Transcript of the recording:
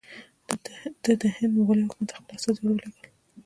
ده د هند مغولي حکومت ته خپل استازي ور ولېږل.